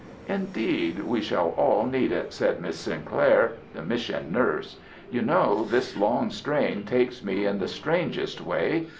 "Indeed, we shall all need it," said Miss Sinclair, the mission nurse. "You know, this long strain takes me in the strangest way.